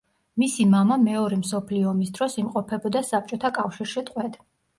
მისი მამა მეორე მსოფლიო ომის დროს იმყოფებოდა საბჭოთა კავშირში ტყვედ.